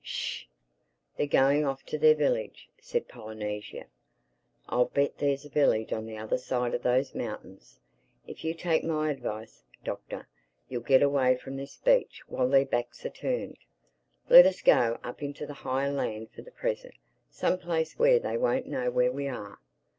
"Sh! They're going off to their village," said Polynesia. "I'll bet there's a village on the other side of those mountains. If you take my advice, Doctor, you'll get away from this beach while their backs are turned. Let us go up into the higher land for the present—some place where they won't know where we are.